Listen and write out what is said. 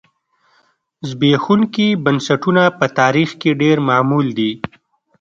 زبېښونکي بنسټونه په تاریخ کې ډېر معمول دي.